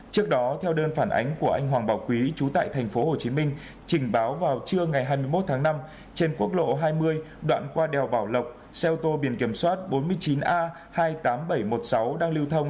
trước đó theo đơn phản ánh của anh hoàng bảo quý chú tại tp hcm trình báo vào trưa ngày hai mươi một tháng năm trên quốc lộ hai mươi đoạn qua đèo bảo lộc xe ô tô biển kiểm soát bốn mươi chín a hai mươi tám nghìn bảy trăm một mươi sáu đang lưu thông